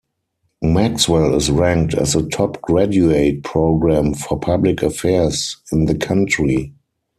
Maxwell is ranked as the top graduate program for public affairs in the country.